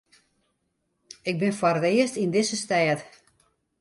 Ik bin foar it earst yn dizze stêd.